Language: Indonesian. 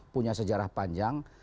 punya sejarah panjang